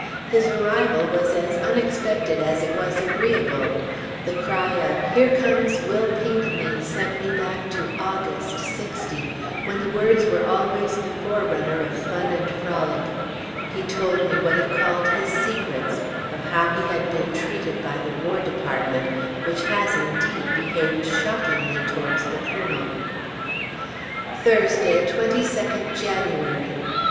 His arrival was as unexpected as it was agreeable. The cry of "Here comes Will Pinckney" sent me back to August, '60, when the words were always the forerunner of fun and frolic.... He told me what he called his secrets; of how he had been treated by the War Department (which has, indeed, behaved shockingly towards the Colonel). Thursday, 22d January.